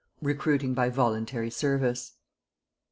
RECRUITING BY VOLUNTARY SERVICE.